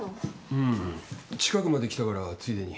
うん近くまで来たからついでに。